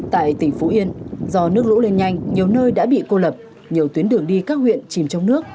tại tỉnh phú yên do nước lũ lên nhanh nhiều nơi đã bị cô lập nhiều tuyến đường đi các huyện chìm trong nước